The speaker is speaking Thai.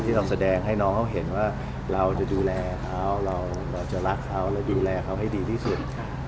เราแสดงให้น้องเขาเห็นว่าเราจะดูแลเขาเราจะรักเขาและดูแลเขาให้ดีที่สุด